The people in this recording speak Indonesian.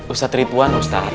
ustadz ribuan ustadz